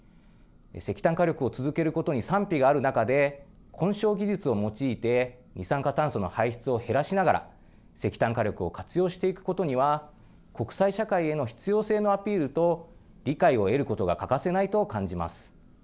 石炭火力を続けることに賛否がある中で混燃技術を用いて二酸化炭素の排出を減らしながら石炭火力を活用していくことには国際社会への必要性のアピールと理解を得ることが欠かせないと感じます。